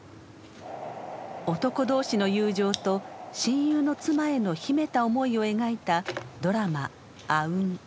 男同士の友情と親友の妻への秘めた思いを描いたドラマ「あ・うん」。